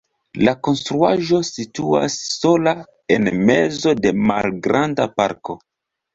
La konstruaĵo situas sola en mezo de malgranda parko.